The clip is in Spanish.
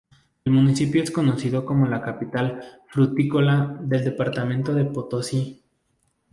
El municipio es conocido como la capital frutícola del departamento de Potosí.